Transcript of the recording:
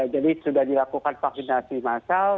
jadi sudah dilakukan vaksinasi massal